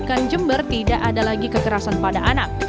selain itu jember juga tidak ada lagi kekerasan pada anak